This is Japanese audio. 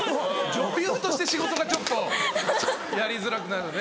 女優として仕事がちょっとやりづらくなるね。